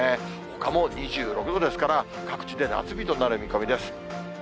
ほかの２６度ですから、各地で夏日となる見込みです。